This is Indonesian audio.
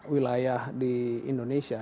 wilayah di indonesia